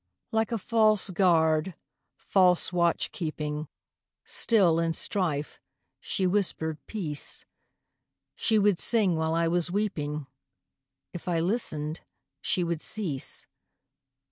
Like a false guard, false watch keeping, Still, in strife, she whispered peace; She would sing while I was weeping; If I listened, she would cease.